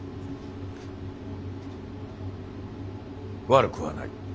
悪くはない。